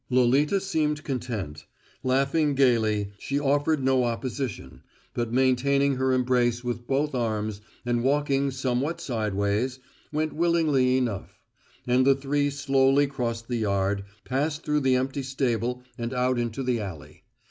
Lolita seemed content. Laughing gayly, she offered no opposition, but, maintaining her embrace with both arms and walking somewhat sidewise, went willingly enough; and the three slowly crossed the yard, passed through the empty stable and out into the alley.